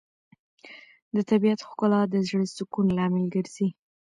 د طبیعت ښکلا د زړه سکون لامل ګرځي.